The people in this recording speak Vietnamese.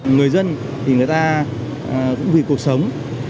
người dân thì người ta cũng vì cuộc sống